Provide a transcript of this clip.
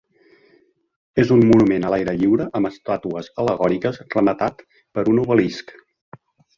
És un monument a l'aire lliure, amb estàtues al·legòriques, rematat per un obelisc.